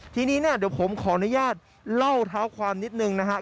ทีนี้เนี่ยเดี๋ยวผมขออนุญาตเล่าเท้าความนิดนึงนะครับ